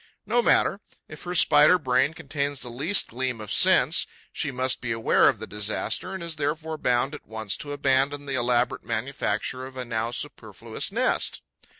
No matter: if her Spider brain contains the least gleam of sense, she must be aware of the disaster and is therefore bound at once to abandon the elaborate manufacture of a now superfluous nest.